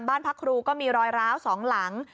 บ้านพักครูก็มีรอยร้าว๒หลัง